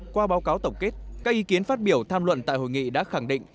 qua báo cáo tổng kết các ý kiến phát biểu tham luận tại hội nghị đã khẳng định